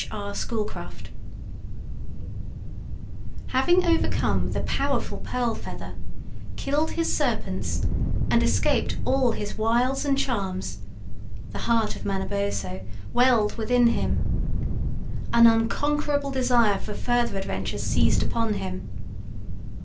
R. Schoolcraft Having overcome the powerful Pearl Feather, killed his serpents and escaped all is wiles and charms, the heart of Manabozho welled within him. An unconquerable desire for further adventures seized upon him.